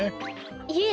いえ。